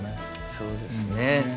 そうですね。